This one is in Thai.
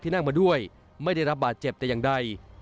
นั่งมาด้วยไม่ได้รับบาดเจ็บแต่อย่างใด